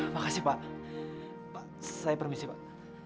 makasih pak pak saya permisi pak